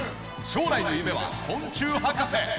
将来の夢は昆虫博士。